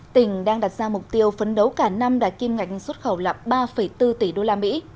tỉnh đang đặt ra mục tiêu phấn đấu cả năm đạt kim ngạch xuất khẩu lặp ba bốn tỷ usd